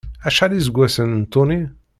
Acḥal iseggasen n Tony?